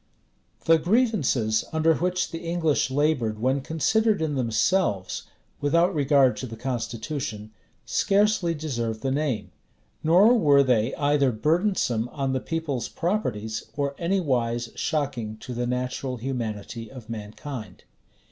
} The grievances under which the English labored when considered in themselves, without regard to the constitution, scarcely deserve the name; nor were they either burdensome on the people's properties, or anywise shocking to the natural humanity of mankind.